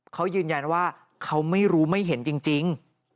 เขายืนยันว่าเขาไม่รู้ไม่เห็นจริง